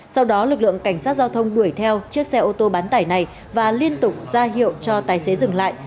sau đó lực lượng cảnh sát giao thông đuổi theo chiếc xe ô tô bán tải này và liên tục ra hiệu cho tài xế dừng lại